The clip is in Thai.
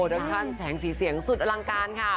อัปชั่นแสงสีเสียงสุดอลังการค่ะ